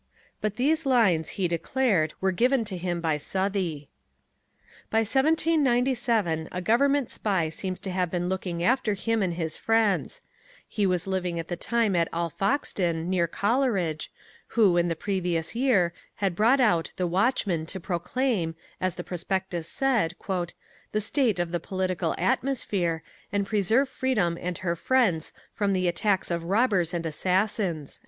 But these lines, he declared, were given to him by Southey. By 1797 a Government spy seems to have been looking after him and his friends: he was living at the time at Alfoxden, near Coleridge, who, in the previous year, had brought out The Watchman to proclaim, as the prospectus said, "the state of the political atmosphere, and preserve Freedom and her Friends from the attacks of Robbers and Assassins."